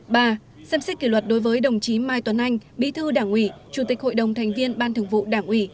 ba xem xét kỷ luật đối với đồng chí mai tuấn anh bí thư đảng ủy chủ tịch hội đồng thành viên ban thường vụ đảng ủy